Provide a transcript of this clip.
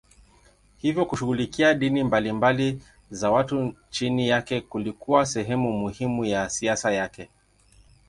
Hivyo kushughulikia dini mbalimbali za watu chini yake kulikuwa sehemu muhimu ya siasa yake.